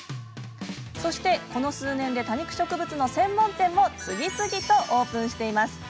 そして、この数年で多肉植物の専門店も次々とオープンしています。